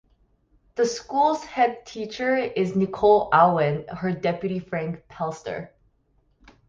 The school's headteacher is Nicole Auen, her deputy Frank Pelster.